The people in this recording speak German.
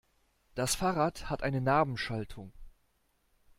Das Fahrrad hat eine Narbenschaltung.